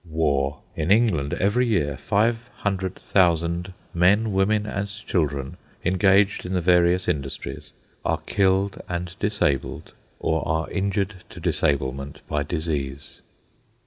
War! In England, every year, 500,000 men, women, and children, engaged in the various industries, are killed and disabled, or are injured to disablement by disease.